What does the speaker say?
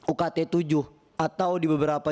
ukt tujuh atau di beberapa